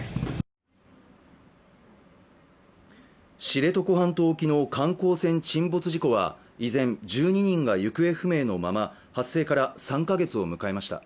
知床半島沖の観光船沈没事故は依然、１２人が行方不明のまま発生から３カ月を迎えました。